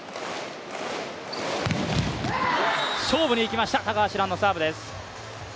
勝負にいきました、高橋藍のサーブです。